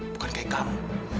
bukan kayak kamu